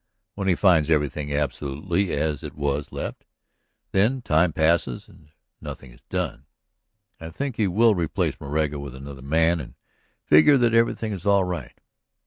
When he finds everything absolutely as it was left, when time passes and nothing is done, I think he will replace Moraga with another man and figure that everything is all right.